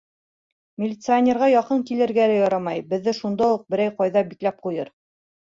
Милиционерға яҡын килергә лә ярамай, беҙҙе шунда уҡ берәй ҡайҙа бикләп ҡуйыр.